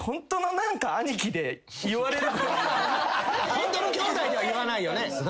ホントの兄弟では言わないよね。